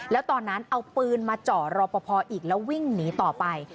แล้วตอนนั้นเอาปืนมาเจาะรอปภอีกแล้ววิ่งหนีต่อไป